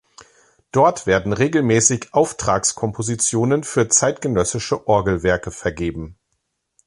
Dort werden regelmäßig Auftragskompositionen für zeitgenössische Orgelwerke vergeben.